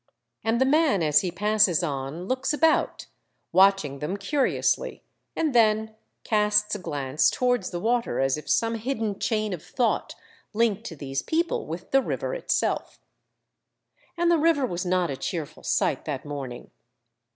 And the man as he passes on looks about, watch ing them curiously, and then casts a glance towards the water as if some hidden chain of thought linked these people with the river itself. And the river was not a cheerful sight that morn ing.